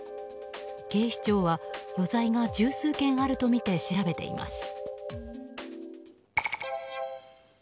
警視庁は余罪が十数件あるとみて調べています。